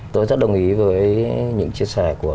tôi rất đồng ý với những chia sẻ của